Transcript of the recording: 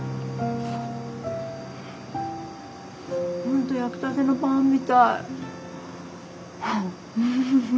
本当焼きたてのパンみたい。